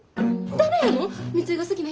誰やの？